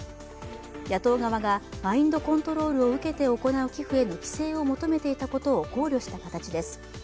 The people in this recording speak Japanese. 野党側がマインドコントロールを受けて行う寄付への規制を求めてきたことを考慮した形です。